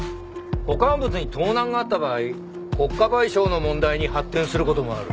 保管物に盗難があった場合国家賠償の問題に発展する事もある。